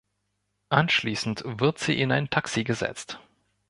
Anschließend wird sie in ein Taxi gesetzt.